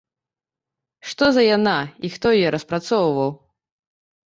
Што за яна і хто яе распрацоўваў?